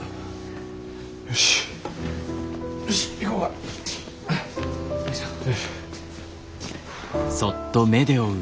よしよし行こか。